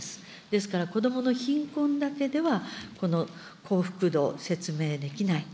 ですから、子どもの貧困だけでは、この幸福度、説明できない。